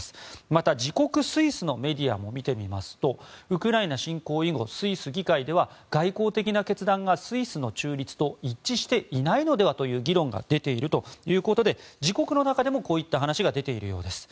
また自国スイスのメディアも見てみますとウクライナ侵攻以後スイス議会では外交的な決断がスイスの中立と一致していないのではという議論が出ているということで自国の中でも、こういった話が出ているようです。